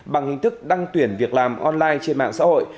bằng hình thức đăng tuyển việc làm online trên mạng xã hội